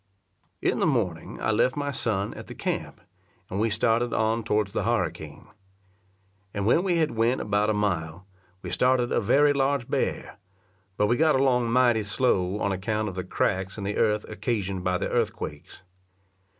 In the morning I left my son at the camp, and we started on towards the harricane; and when we had went about a mile, we started a very large bear, but we got along mighty slow on account of the cracks in the earth occasioned by the earthquakes.